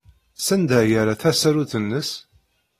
Sanda ay yerra tasarut-nnes?